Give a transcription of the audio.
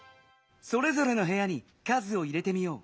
それぞれのへやに数を入れてみよう。